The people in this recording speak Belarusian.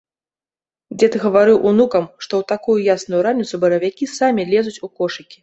Дзед гаварыў унукам, што ў такую ясную раніцу баравікі самі лезуць у кошыкі.